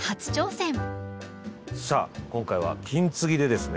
さあ今回は金継ぎでですね